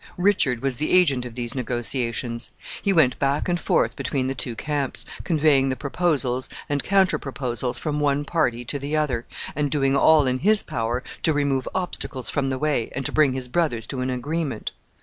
Richard was the agent of these negotiations. He went back and forth between the two camps, conveying the proposals and counter proposals from one party to the other, and doing all in his power to remove obstacles from the way, and to bring his brothers to an agreement.